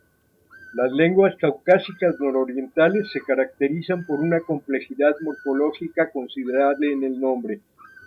Las lenguas caucásicas nororientales se caracterizan por una complejidad morfológica considerable en el nombre.